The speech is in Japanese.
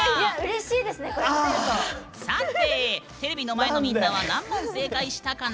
さて、テレビの前のみんなは何問正解したかな？